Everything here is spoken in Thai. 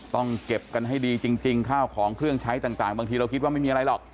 ต้องเก็บกันให้ดีจริงข้าวของเครื่องใช้ต่างบางทีเราคิดว่าไม่มีอะไรหรอก